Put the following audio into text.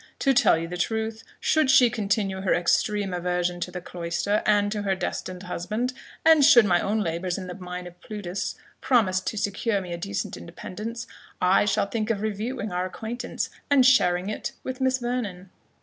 To tell you the truth, should she continue her extreme aversion to the cloister, and to her destined husband, and should my own labours in the mine of Plutus promise to secure me a decent independence, I shall think of reviewing our acquaintance and sharing it with Miss Vernon."